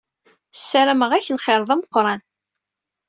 Ssarameɣ-ak lxir d ameqran!